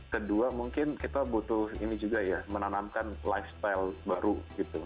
kedua mungkin kita butuh ini juga ya menanamkan lifestyle baru gitu